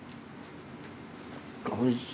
おいしい。